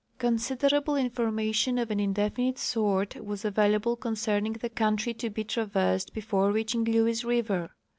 Considerable information of an indefinite sort was available concerning the country to be traversed before reaching Lewes river.